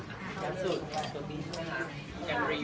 แล้วก็อาจจะติดธุระอะไรอย่างนี้